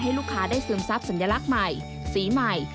ลูกค้าได้ซึมซับสัญลักษณ์ใหม่สีใหม่